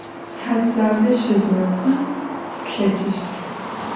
Sıhat zaule şızğek'on slheç'ışt.